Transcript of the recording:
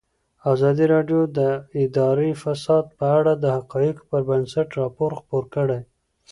ازادي راډیو د اداري فساد په اړه د حقایقو پر بنسټ راپور خپور کړی.